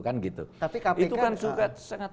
kan gitu itu kan juga sangat